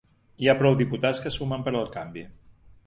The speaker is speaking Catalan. Hi ha prou diputats que sumen per al canvi.